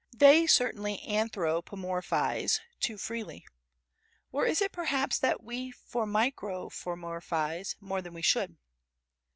They certainly anthropomorphise too freely. Or is it perhaps that we formicomorphise more than we should?"